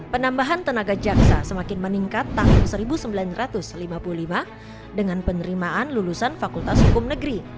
penambahan tenaga jaksa semakin meningkat tahun seribu sembilan ratus lima puluh lima dengan penerimaan lulusan fakultas hukum negeri